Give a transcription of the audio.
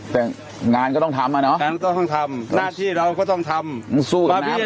แต่งานก็ต้องทำอ่ะเนาะงั้นก็ต้องทำหน้าที่เราก็ต้องทำสู้กับน้ำ